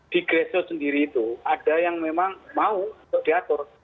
di greso sendiri itu ada yang memang mau diatur